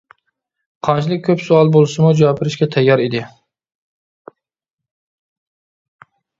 قانچىلىك كۆپ سوئال بولسىمۇ جاۋاب بېرىشكە تەييار ئىدى.